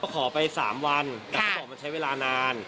เขาขอไปสามวันแต่เขาบอกว่ามันใช้เวลานาน